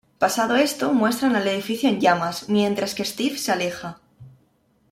Pasado esto, muestran al edificio en llamas, mientras que Steve se aleja.